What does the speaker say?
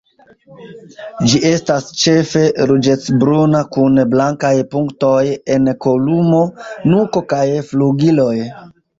Ĝi estas ĉefe ruĝecbruna kun blankaj punktoj en kolumo, nuko kaj flugiloj.